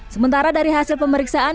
sementara dari hasil pemeriksaan